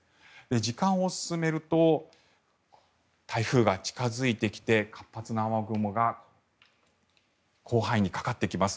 時間を進めると台風が近付いてきて活発な雨雲が広範囲にかかってきます。